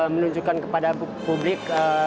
menunjukkan kepada publik